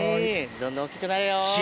どんどん大きくなれよ。